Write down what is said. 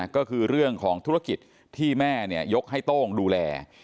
ก็คือเรื่องของธุรกิจที่แม่ยกให้โต้งดูแล